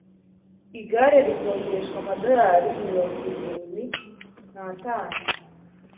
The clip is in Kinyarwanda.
igare rikodeshwa amadollari mirongwirindwi natanu